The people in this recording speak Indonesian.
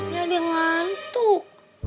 ya dia ngantuk